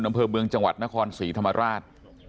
อำเภอเมืองจังหวัดนครศรีธรรมราช